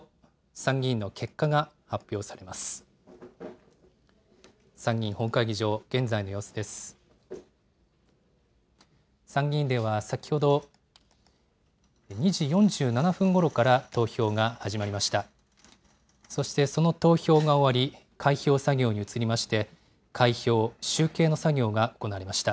参議院では先ほど、２時４７分ごろから投票が始まりました。